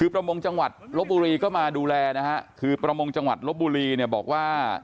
พระมงจังหวัดลอบบุรีก็มาดูแลนะพระมงจังหวัดลอบบุรีบอกว่า